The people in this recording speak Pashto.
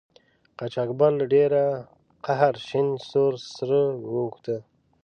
قاچاقبر له ډیره قهره شین سور سره اوښته.